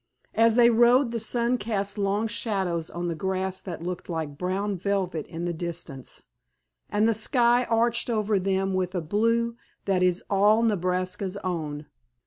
As they rode the sun cast long shadows on the grass that looked like brown velvet in the distance, and the sky arched over them with a blue that is all Nebraska's own.